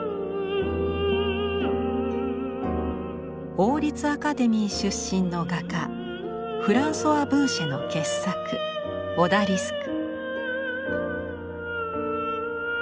王立アカデミー出身の画家フランソワ・ブーシェの傑作「オダリスク」。